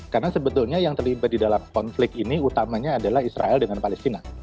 karena sebetulnya yang terlibat di dalam konflik ini utamanya adalah israel dengan palestina